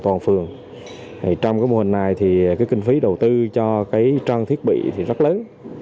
còn phường trong mô hình này kinh phí đầu tư cho trang thiết bị rất lớn